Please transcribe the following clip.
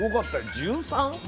１３？